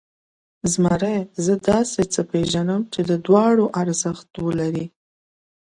زمري، زه داسې څه پېژنم چې د دواړو ارزښت لري.